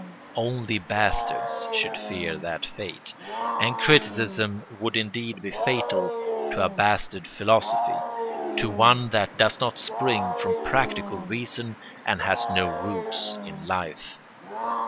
Only bastards should fear that fate, and criticism would indeed be fatal to a bastard philosophy, to one that does not spring from practical reason and has no roots in life.